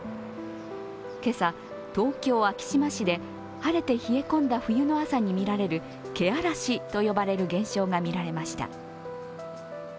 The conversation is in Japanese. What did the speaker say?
今朝、東京・昭島市で晴れて冷え込んだ冬の朝に見られる気嵐と呼ばれる現象が見られました。